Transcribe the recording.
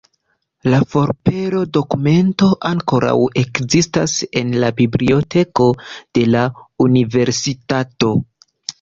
La forpelo-dokumento ankoraŭ ekzistas en la biblioteko de la universitato.